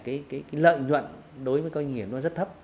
cái lợi nhuận đối với doanh nghiệp nó rất thấp